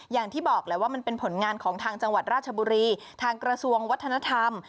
อย่างที่บอกแหละว่ามันเป็นผลงานของทางจังหวัดราชบุรีทางกระทรวงวัฒนธรรม